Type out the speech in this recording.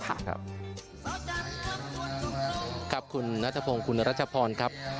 ครับคุณนัทพงศ์คุณรัชพรครับ